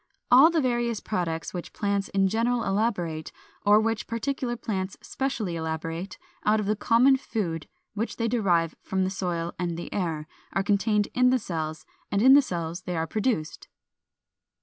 All the various products which plants in general elaborate, or which particular plants specially elaborate, out of the common food which they derive from the soil and the air, are contained in the cells, and in the cells they are produced.